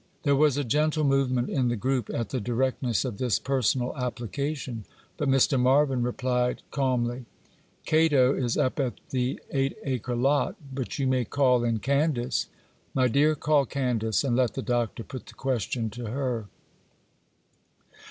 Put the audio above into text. There was a gentle movement in the group at the directness of this personal application; but Mr. Marvyn replied, calmly,— 'Cato is up at the eight acre lot, but you may call in Candace. My dear, call Candace, and let the Doctor put the question to her.